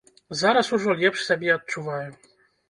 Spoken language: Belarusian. Зараз ужо лепш сябе адчуваю.